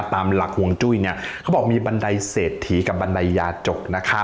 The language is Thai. ตามหลักห่วงจุ้ยเนี่ยเขาบอกมีบันไดเศรษฐีกับบันไดยาจกนะคะ